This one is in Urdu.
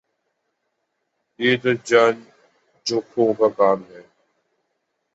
یہ تو جان جوکھوں کا کام ہے